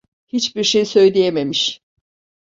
Hiçbir şey söyleyememiş.